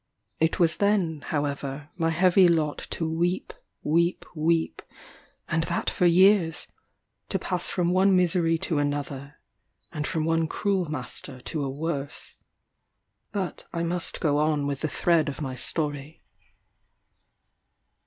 It was then, however, my heavy lot to weep, weep, weep, and that for years; to pass from one misery to another, and from one cruel master to a worse. But I must go on with the thread of my story.